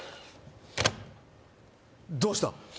どうした？